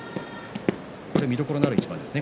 見どころのある一番ですね